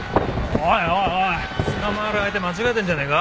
おい捕まえる相手間違えてるんじゃねえか？